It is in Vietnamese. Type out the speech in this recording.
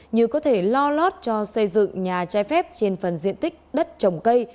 như có thể lo lót cho xây dựng nhà trái phép trên phần diện tích đất trồng cây